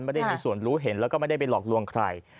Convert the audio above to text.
ไม่ได้มีส่วนรู้เห็นแล้วก็ไม่ได้ไปหลอกลวงใคร